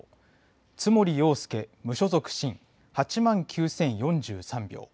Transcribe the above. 津森洋介、無所属、新８万９０４３票。